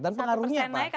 dan pengaruhnya apa